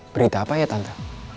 berita apa ya tante